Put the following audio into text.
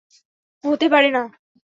হতে পারে না!